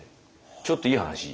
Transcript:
ちょっといい話。